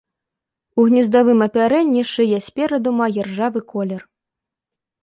У гнездавым апярэнні шыя спераду мае ржавы колер.